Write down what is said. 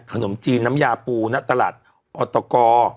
ขนมจีนน้ำยาปูณตลาดออตก